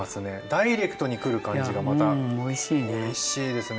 ダイレクトにくる感じがまたおいしいですね。